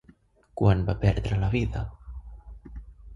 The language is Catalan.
Quan va perdre la vida?